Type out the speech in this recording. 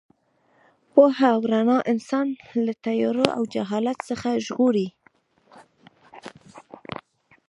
پوهه او رڼا انسان له تیارو او جهالت څخه ژغوري.